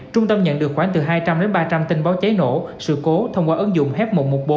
trung tâm nhận được khoảng từ hai trăm linh đến ba trăm linh tin báo cháy nổ sự cố thông qua ứng dụng h một trăm một mươi bốn